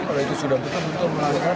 kalau itu sudah betul betul melanggar